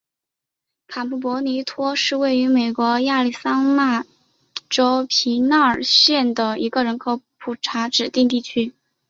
坎普博尼托是位于美国亚利桑那州皮纳尔县的一个人口普查指定地区。